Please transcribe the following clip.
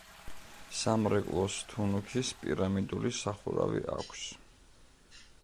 სამრეკლოს თუნუქის პირამიდული სახურავი აქვს.